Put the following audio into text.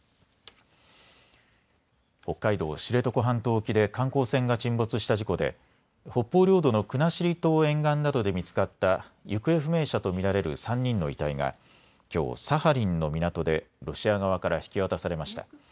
北海道知床半島沖で観光船が沈没した事故で北方領土の国後島沿岸などで見つかった行方不明者と見られる３人の遺体がきょうサハリンの港でロシア側から引き渡されました。